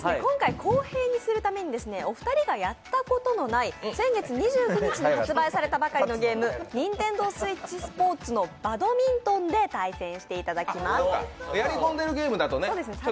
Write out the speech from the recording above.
公平にするためにお二人がやったことない先月２９日に発売されたばかりのゲームＮｉｎｔｅｎｄｏＳｗｉｔｃｈＳｐｏｒｔｓのバドミントンで対決していただきます。